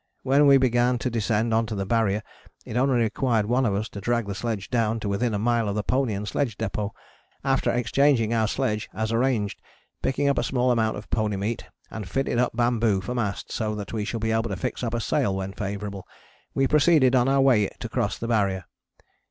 When we began to descend on to the Barrier it only required one of us to drag the sledge down to within a mile of the pony and sledge depôt, after exchanging our sledge as arranged, picking up a small amount of pony meat, and fitted up bamboo for mast so that we shall be able to fix up a sail when favourable, we proceeded on our way to cross the Barrier.